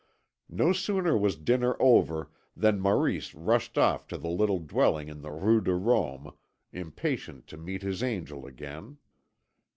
No sooner was dinner over than Maurice rushed off to the little dwelling in the Rue de Rome, impatient to meet his angel again.